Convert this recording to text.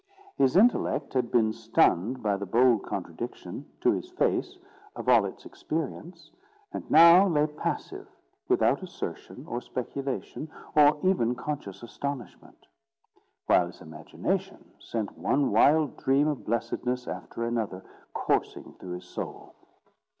His intellect had been stunned by the bold contradiction, to its face, of all its experience, and now lay passive, without assertion, or speculation, or even conscious astonishment; while his imagination sent one wild dream of blessedness after another coursing through his soul.